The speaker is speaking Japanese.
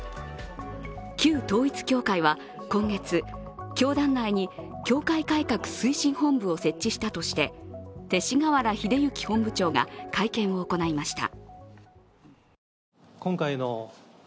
旧統一教会は今月、教団内に教会改革推進本部を設置したとして、勅使河原秀行本部長が会見を行いました。